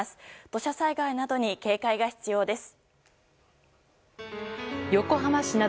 土砂災害などに警戒が必要です。